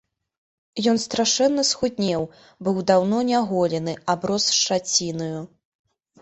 Ён страшэнна схуднеў, быў даўно няголены, аброс шчацінаю.